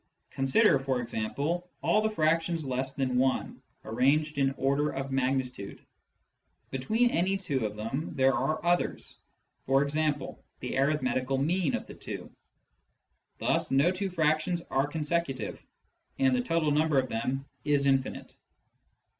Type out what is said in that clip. Consider, for example, all the fractions less than i, arranged in order of magnitude. Digitized by Google THE PROBLEM OF INFINITY 179 Between any two of them, there are others, for example, the arithmetical mean of the two. Thus no two fractions are consecutive, and the total number of them is infinite.